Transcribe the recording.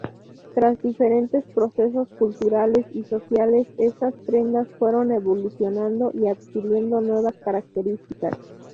Tras diferentes procesos culturales y sociales estas prendas fueron evolucionando y adquiriendo nuevas características.